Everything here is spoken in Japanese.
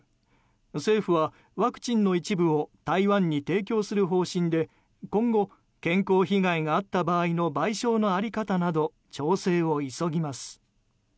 政府はワクチンの一部を台湾に提供する方針で今後、健康被害があった場合の賠償の在り方など調整を急ぎます。